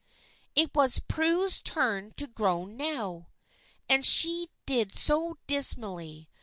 It was Prue's turn to groan now, and she did so dismally.